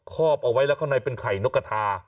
อบเอาไว้แล้วข้างในเป็นไข่นกกระทา